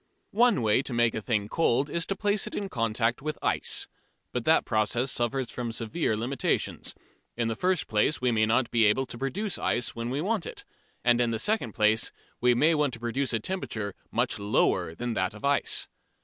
One way to make a thing cold is to place it in contact with ice. But that process suffers from severe limitations. In the first place, we may not be able to procure ice when we want it. And in the second place, we may want to produce a temperature much lower than that of ice.